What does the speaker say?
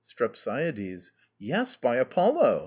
STREPSIADES. Yes, yes, by Apollo!